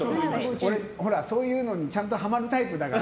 俺、そういうのにちゃんとはまるタイプだから。